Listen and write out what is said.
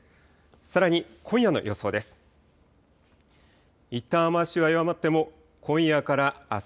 さらに今夜の予想です。